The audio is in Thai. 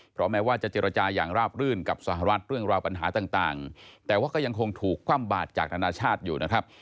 เพราะแม้ว่าจะเจรจาอย่างราบรื่นกับสหรัฐเรื่องราวปัญหาต่างแต่ว่าก็ยังคงถูกคว่ำบาดจากนานาชาติอยู่นะครับ